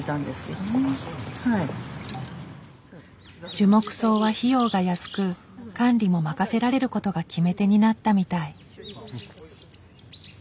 樹木葬は費用が安く管理も任せられることが決め手になったみたい。